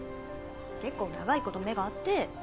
結構長いこと目が合って。